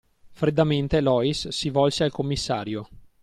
Freddamente, Loïs si volse al commissario.